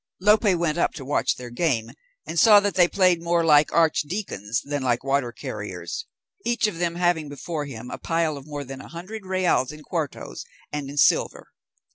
Lope went up to watch their game, and saw that they played more like archdeacons than like water carriers, each of them having before him a pile of more than a hundred reals in cuartos and in silver.